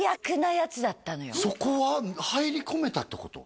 そこは入り込めたってこと？